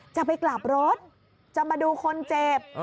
จะไปกลับรถจะมาดูคนเจ็บ